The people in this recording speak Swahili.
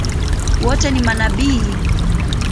Wote ni manabii?